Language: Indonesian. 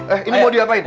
eh ini mau diapain